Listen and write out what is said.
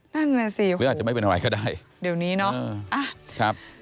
นั่นน่ะสิหรืออาจจะไม่เป็นอะไรก็ได้เดี๋ยวนี้เนาะ